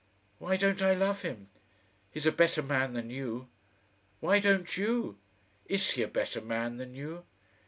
Why don't I love him? he's a better man than you! Why don't you? IS he a better man than you?